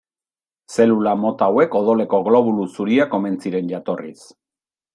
Zelula mota hauek odoleko globulu zuriak omen ziren jatorriz.